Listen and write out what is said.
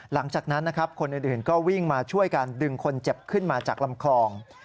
หลังจากนั้นนะครับคนอื่นก็วิ่งมาช่วยกันดึงคนเจ็บขึ้นมาจากลำคลอง